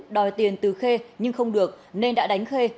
đòi tiền từ khê nhưng không được nên đã đánh khê